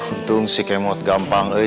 untung si kemot gampang